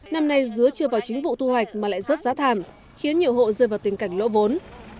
năm nay dứa chưa vào chính vụ thu hoạch mà lại rớt giá thảm khiến nhiều hộ rơi vào tình cảnh lỗ vốn